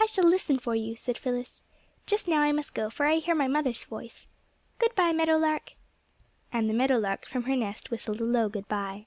"I shall listen for you," said Phyllis. "Just now I must go, for I hear my mother's voice. Good bye, meadow lark!" And the meadow lark from her nest whistled a low good bye.